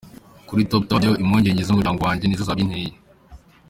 Kuri Top Tower byo, impungenge z’umuryango wanjye nizo zabinteye.